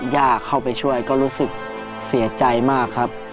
ย่าเข้าไปช่วยก็รู้สึกเสียใจมากครับ